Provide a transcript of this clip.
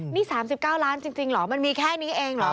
นี่๓๙ล้านจริงเหรอมันมีแค่นี้เองเหรอ